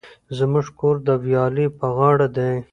زموژ کور د ویالی په غاړه دی